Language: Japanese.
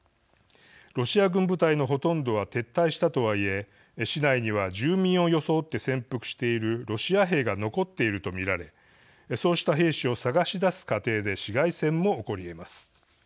ロシア軍部隊のほとんどは撤退したとはいえ、市内には住民を装って潜伏しているロシア兵が残っていると見られそうした兵士を探し出す過程で市街戦も起こりえます。